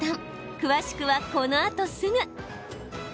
詳しくは、このあとすぐ。